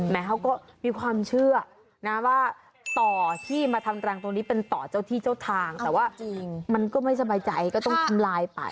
เขาก็มีความเชื่อนะว่าต่อที่มาทำรังตรงนี้เป็นต่อเจ้าที่เจ้าทางแต่ว่าจริงมันก็ไม่สบายใจก็ต้องทำลายไป